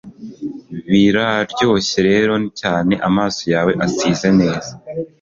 biraryoshe rero, cyangwa amaso yawe asize neza